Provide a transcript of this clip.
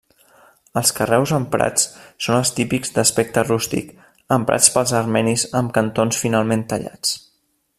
Els carreus emprats són els típics d'aspecte rústic emprats pels armenis amb cantons finament tallats.